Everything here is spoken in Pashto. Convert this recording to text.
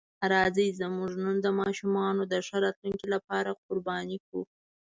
راځئ زموږ نن د ماشومانو د ښه راتلونکي لپاره قرباني کړو.